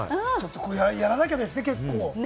やらなきゃですね。